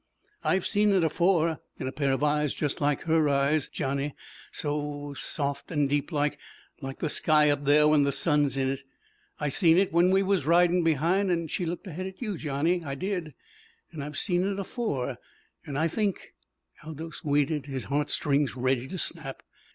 "I've seen it afore, in a pair of eyes just like her eyes, Johnny so soft an' deeplike, like the sky up there when the sun's in it. I seen it when we was ridin' behind an' she looked ahead at you, Johnny. I did. An' I've seen it afore. An' I think " Aldous waited, his heart strings ready to snap.